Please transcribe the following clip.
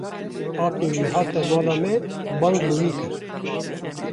Apê wî hate mala me bang li wî kir.